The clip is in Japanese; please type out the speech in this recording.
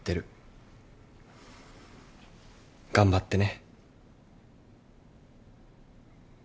頑張ってね。